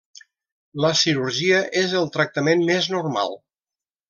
La cirurgia és el tractament més normal.